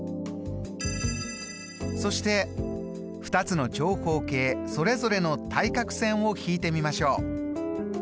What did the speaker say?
そして２つの長方形それぞれの対角線を引いてみましょう。